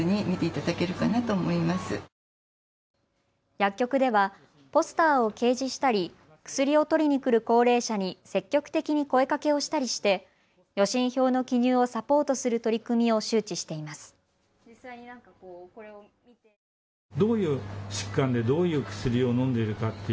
薬局では、ポスターを掲示したり薬を取りに来る高齢者に積極的に声かけをしたりして予診票の記入をサポートする取り組みを周知しています。